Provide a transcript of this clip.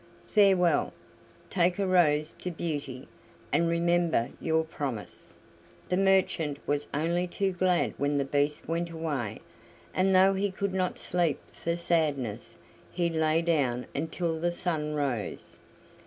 Farewell. Take a rose to Beauty, and remember your promise!" The merchant was only too glad when the Beast went away, and though he could not sleep for sadness, he lay down until the sun rose.